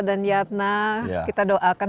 dan yatna kita doakan